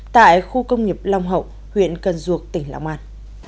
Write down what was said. tại khu công nghiệp long hậu huyện cần duộc tỉnh long an